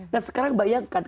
nah sekarang bayangkan